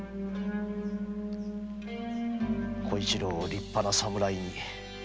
小一郎を立派な侍に。